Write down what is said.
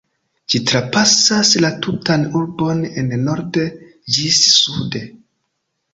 Ĝi trapasas la tutan urbon, el norde ĝis sude.